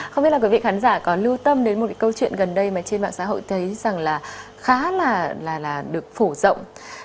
không biết là quý vị khán giả có lưu tâm đến một cái câu chuyện gần đây mà trên mạng xã hội thấy rằng là khá là được phổ rộng